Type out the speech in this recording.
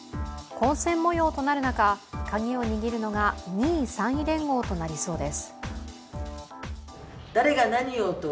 混戦模様となる中、カギを握るのが２位３位連合となりそうです。